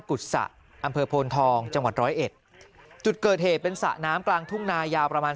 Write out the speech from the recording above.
กุศะอำเภอโพนทองจังหวัดร้อยเอ็ดจุดเกิดเหตุเป็นสระน้ำกลางทุ่งนายาวประมาณ